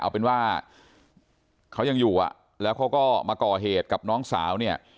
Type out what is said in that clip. เอาเป็นว่าเขายังอยู่อ่ะแล้วเขาก็มาก่อเหตุกับน้องสาวเนี่ย